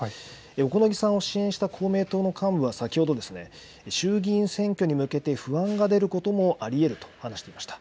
小此木さんを支援した公明党の幹部は先ほど衆議院選挙に向けて不安が出ることもあり得ると話していました。